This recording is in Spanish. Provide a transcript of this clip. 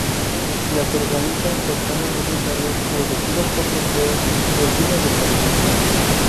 Las organizan personas voluntarias o elegidas por sorteo, vecinos del municipio.